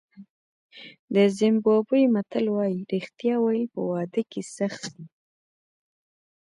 د زیمبابوې متل وایي رښتیا ویل په واده کې سخت دي.